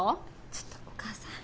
ちょっとお母さん。